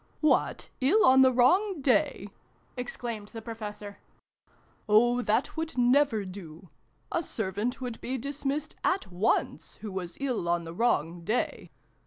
" What, ill on the wrong day /" exclaimed the Professor. " Oh, that would never do ! A Servant would be dismissed at once, who was ill on the wrong day